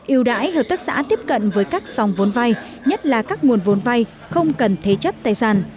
yêu đải hợp tác xã tiếp cận với các sòng vốn vai nhất là các nguồn vốn vai không cần thế chấp tài sản